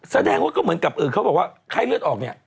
แสดงว่าก็เหมือนกับอื่นเขาบอกว่าไข้เลือดออก